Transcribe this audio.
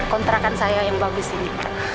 kontrakan saya yang bagus ini